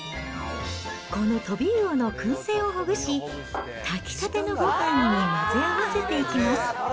このトビウオのくん製をほぐし、炊きたてのごはんに混ぜ合わせていきます。